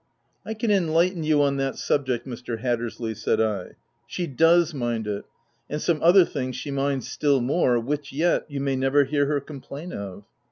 " I can enlighten you on that subject, Mr. Hattersley," said I :" she does mind it ; and some other things she minds still more, which, yet, you may never hear her complain of."